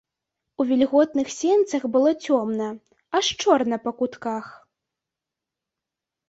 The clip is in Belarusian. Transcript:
У вільготных сенцах было цёмна, аж чорна па кутках.